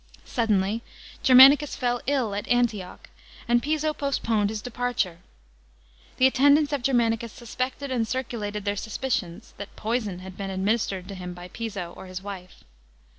Suddenly, Germanicus fell ill at Antioch, and Piso postponed his departure. The attendants of Germanicus suspected and circulated their suspicions, that poison had been administered to him by Piso or his wife.